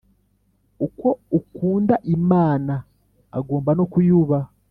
uko ukunda Imana agomba no kuyubaha.